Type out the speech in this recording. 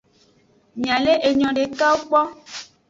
Miale enyo dekawo kpo.